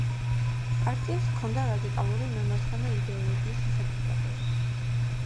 პარტიას ჰქონდა რადიკალური მემარცხენე იდეოლოგიის შეხედულებები.